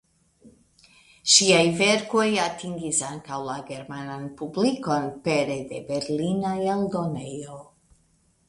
Ŝiaj verkoj atingis ankaŭ la germanan publikon pere de berlina eldonejo.